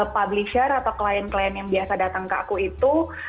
publisher atau klien klien yang biasa datang ke aku itu